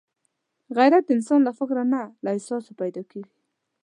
غیرت د انسان له فکره نه، له احساسه پیدا کېږي